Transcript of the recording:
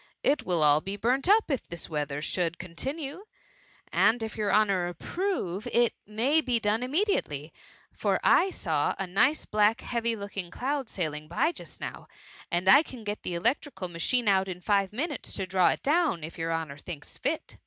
It wiU be all burnt up, if this weather should continue ; and if your honour approve, it may be done immediately, for I saw a nice black heavy* looking cloud sailing by just now, and I can get the electrical machine out in five minutes to draw it down, if your honour thinks fit.